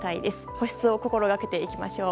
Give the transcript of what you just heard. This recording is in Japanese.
保湿を心がけていきましょう。